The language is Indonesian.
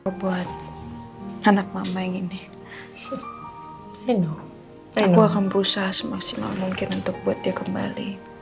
coba anak mama gini eno eno akan berusaha semaksimal mungkin untuk buat dia kembali